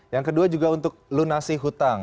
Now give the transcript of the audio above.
yang kedua juga untuk lunasi hutang